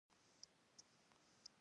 د وطن مې د عسکر جامې ،